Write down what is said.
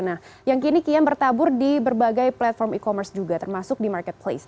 nah yang kini kian bertabur di berbagai platform e commerce juga termasuk di marketplace